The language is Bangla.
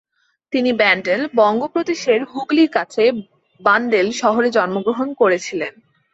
তিনি ব্যান্ডেল, বঙ্গ প্রদেশের হুগলির কাছে বান্দেল শহরে জন্মগ্রহণ করেছিলেন।